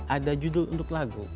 ada judul untuk lagu